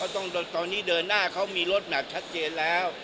ตอนนี้เดินหน้าเขามีรถหนักชัดเจนแล้ว